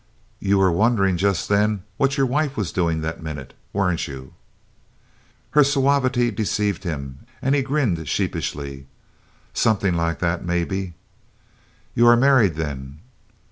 "You were wondering just then what your wife was doing that minute, weren't you?" Her suavity deceived him and he grinned sheepishly. "Somethin' like that, maybe." "You are married, then?"